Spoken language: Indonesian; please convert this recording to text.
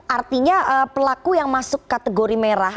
artinya pelaku yang masuk kategori merah